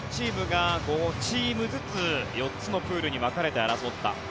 その２０チームが５チームずつ４つのプールに分かれて争った。